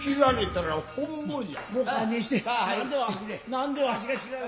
何でわしが斬らな。